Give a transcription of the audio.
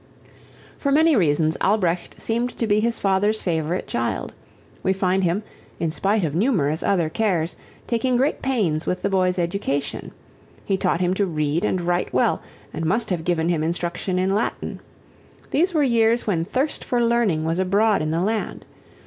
For many reasons Albrecht seemed to be his father's favorite child. We find him, in spite of numerous other cares, taking great pains with the boy's education. He taught him to read and write well and must have given him instruction in Latin. These were years when thirst for learning was abroad in the land.